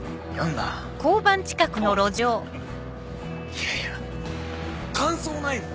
いやいや感想ないの？